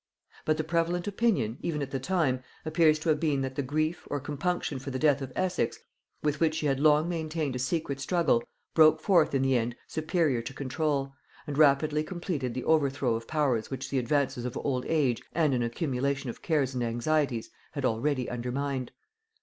But the prevalent opinion, even at the time, appears to have been, that the grief or compunction for the death of Essex, with which she had long maintained a secret struggle, broke forth in the end superior to control, and rapidly completed the overthrow of powers which the advances of old age and an accumulation of cares and anxieties had already undermined.